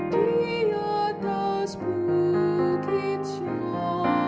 di atas bukit syurga